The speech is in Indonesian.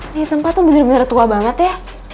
ini tempat tuh bener bener tua banget ya